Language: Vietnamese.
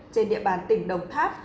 trên địa bàn tỉnh đồng tháp